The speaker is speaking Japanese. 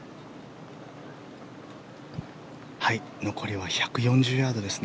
残りは１４０ヤードです。